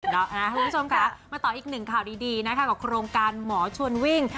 คุณผู้ชมค่ะมาต่ออีกหนึ่งข่าวดีนะคะกับโครงการหมอชวนวิ่ง